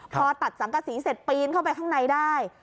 พอตัดสังกษีเสร็จปีนเข้าไปข้างในได้